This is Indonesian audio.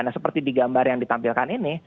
nah seperti di gambar yang ditampilkan ini